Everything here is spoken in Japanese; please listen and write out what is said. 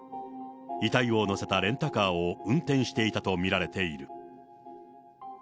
遺体を乗せたレンタカーを運転していたと見られている。